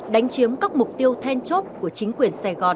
đánh chiếm các mục tiêu then chốt của chính quyền sài gòn